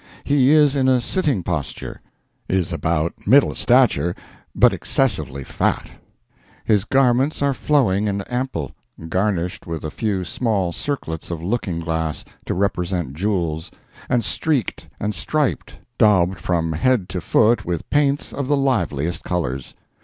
He is in a sitting posture, is of about middle stature, but excessively fat; his garments are flowing and ample, garnished with a few small circlets of looking glass, to represent jewels, and streaked and striped, daubed from head to foot, with paints of the liveliest colors.